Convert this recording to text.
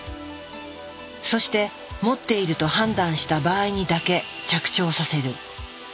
そして持っていると判断した場合にだけ着床させる。